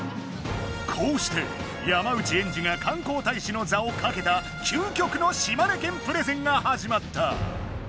こうして山内エンジが観光大使のざをかけたきゅうきょくの島根県プレゼンが始まった。